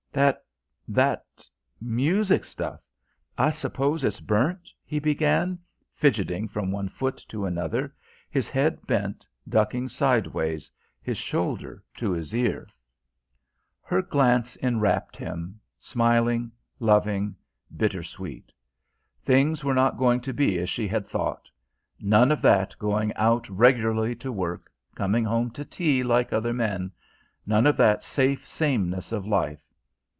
"That that music stuff I suppose it's burnt?" he began, fidgeting from one foot to another, his head bent, ducking sideways, his shoulder to his ear. Her glance enwrapped him smiling, loving, bitter sweet. Things were not going to be as she had thought; none of that going out regularly to work, coming home to tea like other men; none of that safe sameness of life.